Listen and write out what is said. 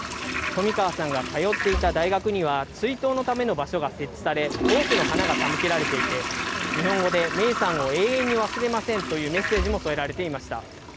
冨川さんが通っていた大学には追悼のための場所が設置され、多くの花が手向けられていて、日本語で芽生さんを永遠に忘れませんというメッセージも添えられていました。